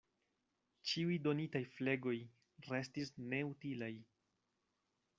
Ĉiuj donitaj flegoj restis neutilaj.